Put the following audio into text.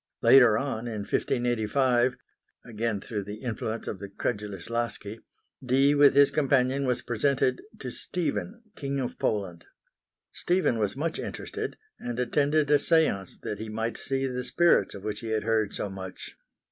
Later on, in 1585, again through the influence of the credulous Laski Dee with his companion was presented to Stephen, King of Poland. Stephen was much interested, and attended a séance that he might see the spirits of which he had heard so much.